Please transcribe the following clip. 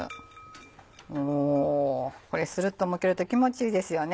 おぉこれスルっとむけると気持ちいいですよね。